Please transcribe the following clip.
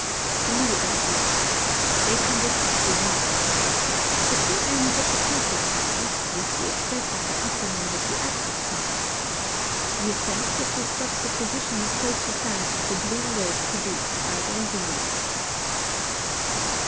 BLUE AND RED. 821. The two ends of the passive side, with the excess of the upper end of the active side. The effect of this juxtaposition approaches that of the blue red produced by their union.